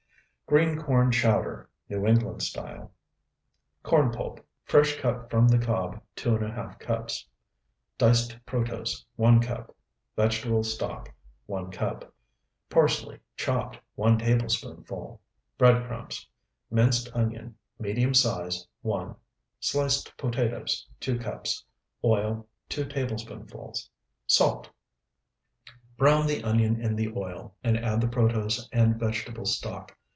GREEN CORN CHOWDER (NEW ENGLAND STYLE) Corn pulp, fresh cut from the cob, 2½ cups. Diced protose, 1 cup. Vegetable stock, 1 cup. Parsley, chopped, 1 tablespoonful. Bread crumbs. Minced onion, medium size, 1. Sliced potatoes, 2 cups. Oil, 2 tablespoonfuls. Salt. Brown the onion in the oil, and add the protose and vegetable stock.